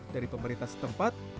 dari pemerintah setempat